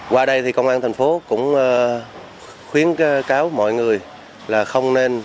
qua đây thì công an thành phố cũng khuyến cáo mọi người là không nên